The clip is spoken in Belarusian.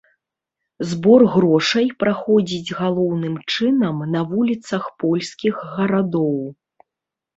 Збор грошай праходзіць галоўным чынам на вуліцах польскіх гарадоў.